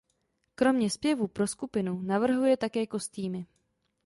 Kromě zpěvu pro skupinu navrhuje také kostýmy.